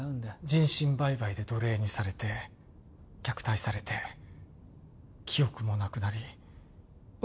人身売買で奴隷にされて虐待されて記憶もなくなり運